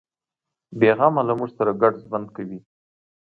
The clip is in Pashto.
بیغمه له موږ سره ګډ ژوند کوي.